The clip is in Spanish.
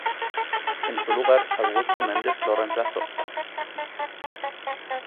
En su lugar, Augusto Mendes lo reemplazó.